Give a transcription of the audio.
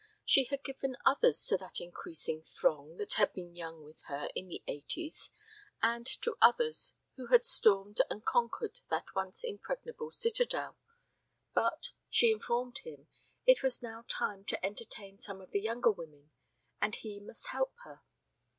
She had given others to that increasing throng that had been young with her in the eighties and to others who had stormed and conquered that once impregnable citadel, but, she informed him, it was now time to entertain some of the younger women, and he must help her.